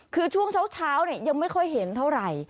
คือช่วงเช้ายังไม่ค่อยเห็นเท่าไหร่